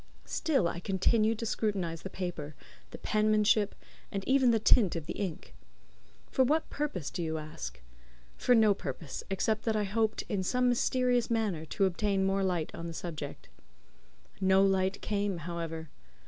Still I continued to scrutinize the paper, the penmanship, and even the tint of the ink. For what purpose, do you ask? For no purpose, except that I hoped, in some mysterious manner, to obtain more light on the subject. No light came, however.